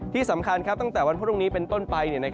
ที่สำคัญตั้งแต่วันพรุ่งนี้เป็นต้นไป